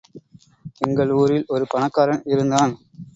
எங்கள் ஊரில் ஒரு பணக்காரன் இருந்தான்.